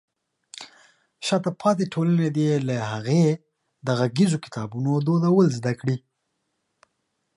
شاته پاتې ټولنې دې له هغې د غږیزو کتابونو دودول زده کړي.